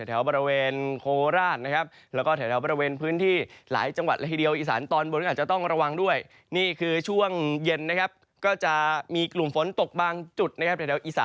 แถวบริเวณโฮราชนะครับ